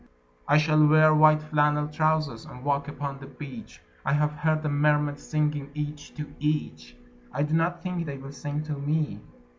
I shall wear white flannel trousers, and walk upon the beach. I have heard the mermaids singing, each to each. I do not think they will sing to me.